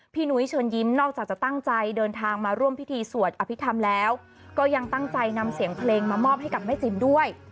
หนุ้ยเชิญยิ้มนอกจากจะตั้งใจเดินทางมาร่วมพิธีสวดอภิษฐรรมแล้วก็ยังตั้งใจนำเสียงเพลงมามอบให้กับแม่จิ๋มด้วย